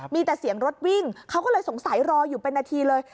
มีแต่เสียงรถวิ่งเขาก็เลยสงสัยรออยู่เป็นนาทีเลย